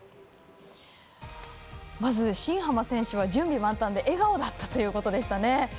まず、新濱選手は準備万端で笑顔だったということでしたね。